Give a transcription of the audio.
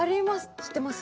知ってます？